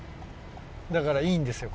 だからいいんですよ